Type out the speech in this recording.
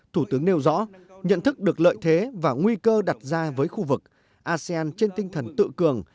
thủ tướng nêu rõ nhận thức được lợi thế và nguy cơ đặt ra với khu vực asean trên tinh thần tự cường